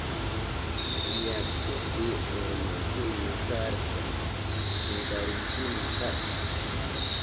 Yakupi urmankima karka, chinkarinkima karka.